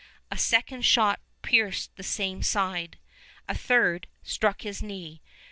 A second shot pierced the same side. A third struck his knee.